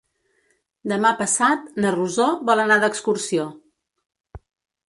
Demà passat na Rosó vol anar d'excursió.